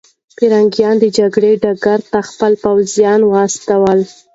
پرنګیان د جګړې ډګر ته خپل پوځونه واستول.